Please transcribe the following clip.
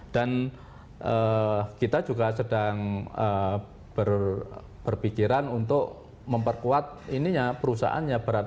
dan kita juga sedang berpikiran untuk memperkuat perusahaannya